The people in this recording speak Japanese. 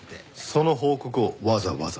その報告をわざわざ？